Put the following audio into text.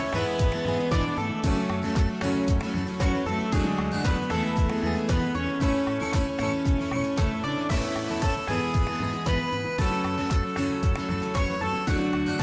โปรดติดตามตอนต่อไป